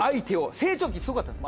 成長期すごかったんです。